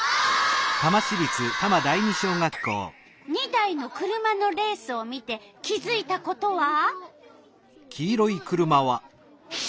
２台の車のレースを見て気づいたことは？